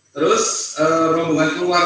terus rombongan keluar